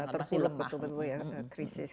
terpulup betul betul ya krisis